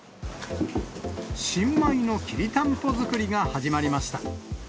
新米のきりたんぽ作りが始まりました。